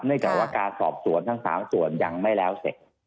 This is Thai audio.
จากว่าการสอบสวนทั้ง๓ส่วนยังไม่แล้วเสร็จ